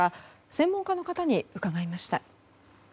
専門家の方に伺いました。